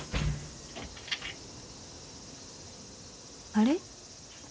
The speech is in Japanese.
あれ？